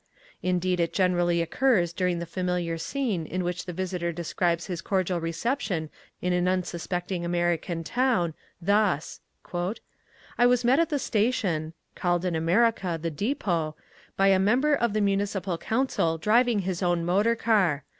Indeed it generally occurs during the familiar scene in which the visitor describes his cordial reception in an unsuspecting American town: thus: "I was met at the station (called in America the depot) by a member of the Municipal Council driving his own motor car.